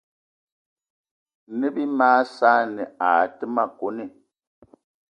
Ne bí mag saanì aa té ma kone.